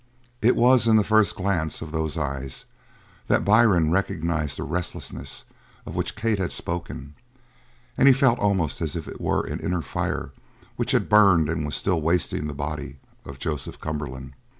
It was in the first glance of those eyes that Byrne recognized the restlessness of which Kate had spoken; and he felt almost as if it were an inner fire which had burned and still was wasting the body of Joseph Cumberland.